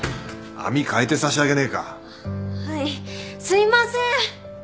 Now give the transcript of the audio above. すいません！